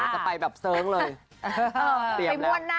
จะไปแบบเซิงเลย